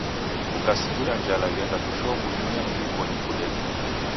Kukaskira njala ghenda kushoo Munyunya irikonyi kudoke.